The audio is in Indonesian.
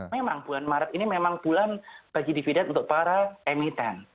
memang bulan maret ini memang bulan bagi dividen untuk para emiten